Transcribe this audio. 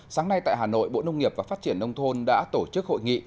sáng nay tại hà nội bộ nông nghiệp và phát triển nông thôn đã tổ chức hội nghị